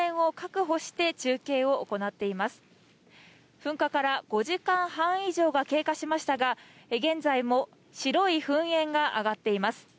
噴火から５時間半以上が経過しましたが、現在も白い噴煙が上がっています。